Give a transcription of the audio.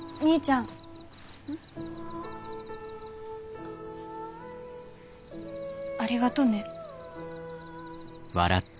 ん？ありがとね。